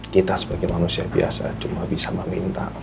kita sebagai manusia biasa cuma bisa meminta